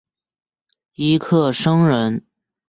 尹克升人。